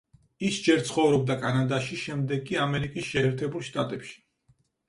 ის ჯერ ცხოვრობდა კანადაში, შემდეგ კი ამერიკის შეერთებულ შტატებში.